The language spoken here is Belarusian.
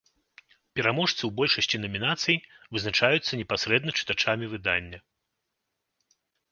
Пераможцы ў большасці намінацый вызначаюцца непасрэдна чытачамі выдання.